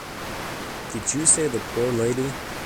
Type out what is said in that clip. Did you save the poor lady?